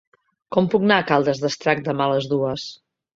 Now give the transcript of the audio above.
Com puc anar a Caldes d'Estrac demà a les dues?